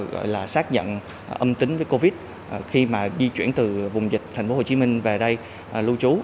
gọi là xác nhận âm tính với covid một mươi chín khi mà di chuyển từ vùng dịch thành phố hồ chí minh về đây lưu trú